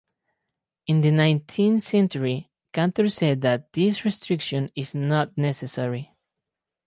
In the nineteenth century Cantor said that this restriction is not necessary.